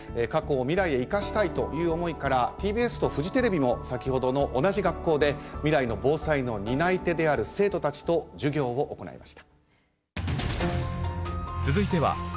過去を未来へ生かしたいという思いからＴＢＳとフジテレビも先ほどの同じ学校で未来の防災の担い手である生徒たちと授業を行いました。